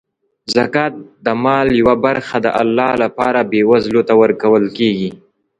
زکات د مال یوه برخه د الله لپاره بېوزلو ته ورکول کیږي.